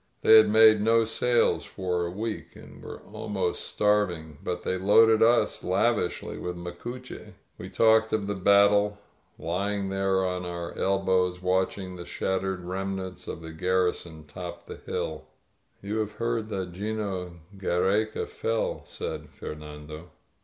They had made no sales for a week, and were ahnost starving, but they loaded us lavishly *'with Tnacuche. We talked of the battle, lying there on • our elbows watching the shattered remnants of the garrison top the hill. You have heard that 'Gino Giiereca fell," said Fer nando.